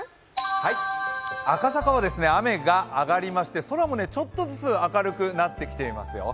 赤坂は雨が上がりまして、空もちょっとずつ明るくなってきていますよ。